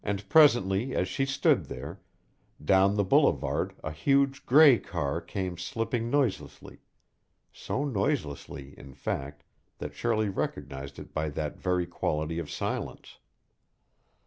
And presently as she stood there, down the boulevard a huge gray car came slipping noiselessly so noiselessly, in fact, that Shirley recognized it by that very quality of silence.